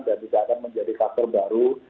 dan juga akan menjadi klaster baru